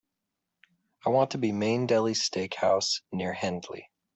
I want to be Main Deli Steak House near Hendley.